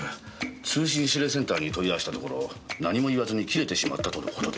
通信指令センターに問い合わせたところ何も言わずに切れてしまったとの事です。